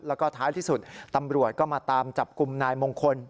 แล้วก็ท้ายที่สุดตำรวจก็มาตามจับกลุ่มนายมงคล